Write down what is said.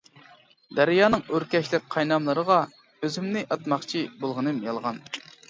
دەريانىڭ ئۆركەشلىك قايناملىرىغا، ئۆزۈمنى ئاتماقچى بولغىنىم يالغان.